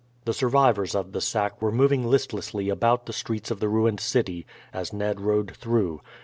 The survivors of the sack were moving listlessly about the streets of the ruined city as Ned rode through.